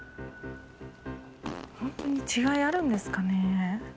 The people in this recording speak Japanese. ホントに違いあるんですかね？